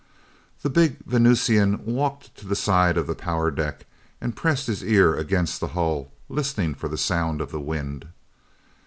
The big Venusian walked to the side of the power deck and pressed his ear against the hull, listening for the sound of the wind.